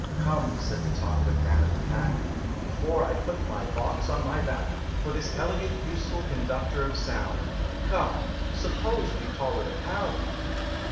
"Come," said the talkative Man of the Pack, "Before I put my box on my back, For this elegant, useful Conductor of Sound, Come suppose we call it a pound!